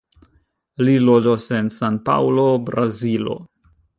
Li loĝas en San-Paŭlo, Brazilo.